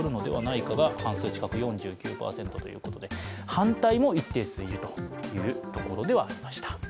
反対も一定数いるというところではありました。